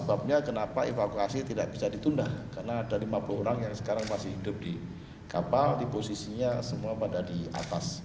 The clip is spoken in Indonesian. sebabnya kenapa evakuasi tidak bisa ditunda karena ada lima puluh orang yang sekarang masih hidup di kapal di posisinya semua pada di atas